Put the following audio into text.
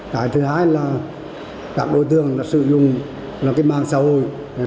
cái thứ hai là các đối tượng đã sử dụng là cái mạng xã hội